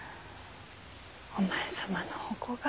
お前様のお子が。